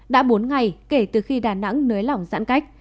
đã bốn ngày kể từ khi đà nẵng nới lỏng giãn cách